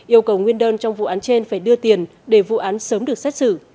yêu cầu nguyên đơn trong vụ án trên phải đưa tiền để vụ án sớm được xét xử